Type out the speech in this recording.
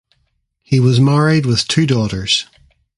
He was married with two daughters.